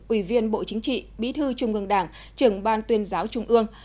ủy viên bộ chính trị bí thư trung ương đảng trưởng ban tuyên giáo trung ương